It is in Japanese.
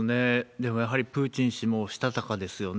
でもやはり、プーチン氏もしたたかですよね。